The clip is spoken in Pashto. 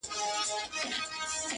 اورنګ زېب٫